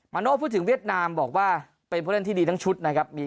มาพูดถึงเวียดนามบอกว่าเป็นเพื่อนที่ดีทั้งชุดนะครับมี